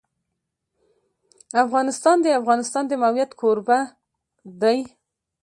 افغانستان د د افغانستان د موقعیت کوربه دی.